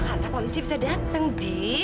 karena polisi bisa datang dih